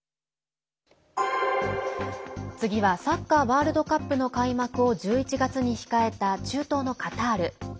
次はサッカーワールドカップの開幕を１１月に控えた中東のカタール。